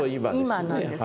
今なんですね。